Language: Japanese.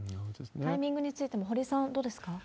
タイミングについては、堀さん、どうですか？